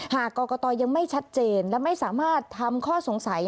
หากกรกตยังไม่ชัดเจนและไม่สามารถทำข้อสงสัย